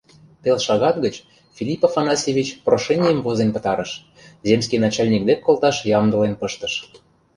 Пел шагат гыч Филипп Афанасьевич прошенийым возен пытарыш, земский начальник дек колташ ямдылен пыштыш.